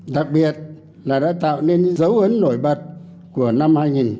đặc biệt là đã tạo nên những dấu ấn nổi bật của năm hai nghìn hai mươi một